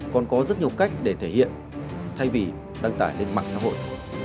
còn có rất nhiều cách để thể hiện thay vì đăng tải lên mạng xã hội